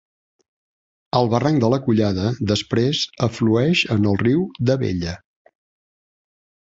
El barranc de la Collada després aflueix en el riu d'Abella.